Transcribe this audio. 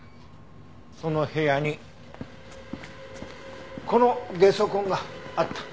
その部屋にこのゲソ痕があった。